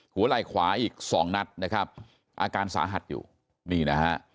หัวไหล่ขวาอีกสองนัดนะครับอาการสาหัสอยู่นี่นะฮะ